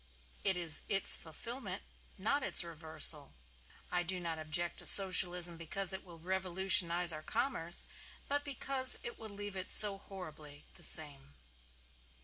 It is its fulfilment, not its reversal. I do not object to Socialism because it will revolutionize our commerce, but because it will leave it so horribly the same.